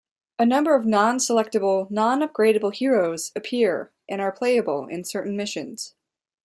A number of non-selectable, non-upgradable heroes appear and are playable in certain missions.